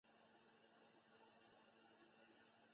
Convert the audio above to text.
过滤且清洗氢氧化物以除去可溶的硝酸钾。